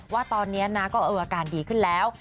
ว่าตอนนี้นะก็อาการดีขึ้นแล้ว